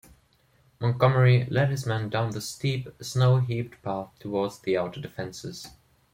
Montgomery led his men down the steep, snow-heaped path towards the outer defenses.